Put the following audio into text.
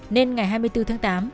nên ngày hai mươi bốn tháng tám